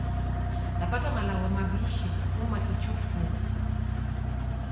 Dapata malagho maw'ishi kufuma icho kifumbu.